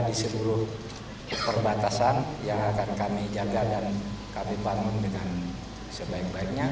di seluruh perbatasan yang akan kami jaga dan kami bangun dengan sebaik baiknya